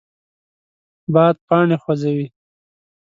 باد پاڼې خوځوي